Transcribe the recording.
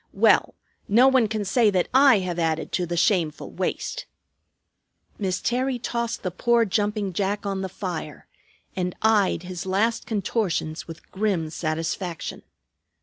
Well, no one can say that I have added to the shameful waste." Miss Terry tossed the poor jumping jack on the fire, and eyed his last contortions with grim satisfaction.